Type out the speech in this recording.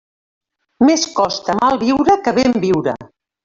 Més costa mal viure que ben viure.